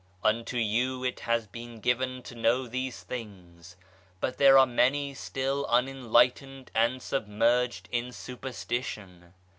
Unto you it has been given to know these things, but there are many still unenlightened and submerged in superstition.